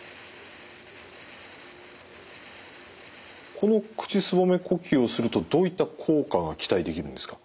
この口すぼめ呼吸をするとどういった効果が期待できるんですか？